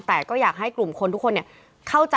แต่ก็อยากให้กลุ่มคนทุกคนเข้าใจ